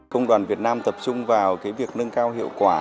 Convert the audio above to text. công đoàn việt nam tập trung vào việc nâng cao hiệu quả